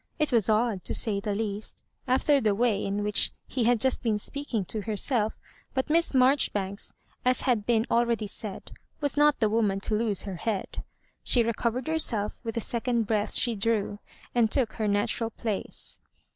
It was odd, to say the least, after the way in which he had just been speaking to herself; but Miss Marjoribanks, as has been al ready said, was not the woman to lose her head She recovered herself with the second breath she drew, and took her natural place.